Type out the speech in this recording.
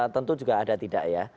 tentu juga ada tidak ya